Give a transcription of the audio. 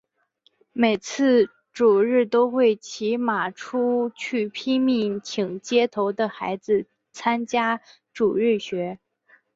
每次主日都会骑马出去拼命请街头的孩子参加主日学。